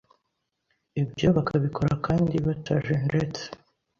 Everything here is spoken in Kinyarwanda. ibyo bakabikora kandi batajenjetse.